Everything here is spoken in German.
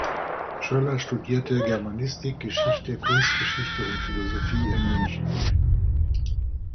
Schoeller studierte Germanistik, Geschichte, Kunstgeschichte und Philosophie in München.